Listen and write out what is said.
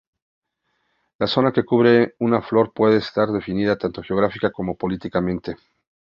La zona que cubre una flora puede estar definida tanto geográfica como políticamente.